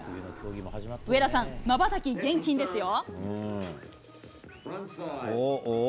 上田さん、まばたき厳禁ですよ。